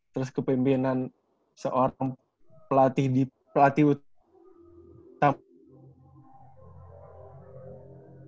terus kepimpinan seorang pelatih di pelatih utama